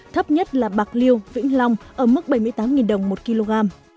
thấp nhất là bạc liêu vĩnh long ở mức bảy mươi tám đồng một kg